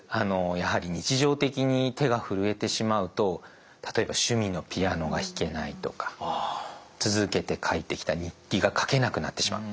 やはり日常的に手がふるえてしまうと例えば趣味のピアノが弾けないとか続けて書いてきた日記が書けなくなってしまう。